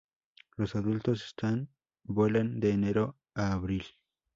Los adultos están vuelan de enero a abril.